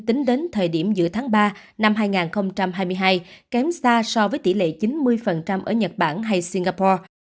tính đến thời điểm giữa tháng ba năm hai nghìn hai mươi hai kém xa so với tỷ lệ chín mươi ở nhật bản hay singapore